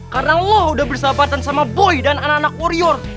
karena lo udah bersahabatan sama boy dan anak anak warrior